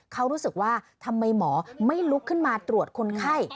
เขารู้สึกว่าทำไมหมอไม่ลุกขึ้นมาตรวจคนไข้